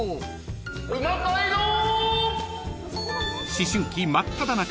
［思春期真っただ中］